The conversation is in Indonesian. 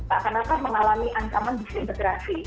pak kenapa mengalami ancaman disintegrasi